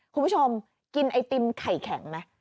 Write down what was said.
คุณผู้ชมกินไอติมไข่แข็งไหม